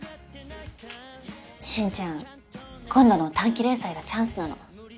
進ちゃん今度の短期連載がチャンスなの。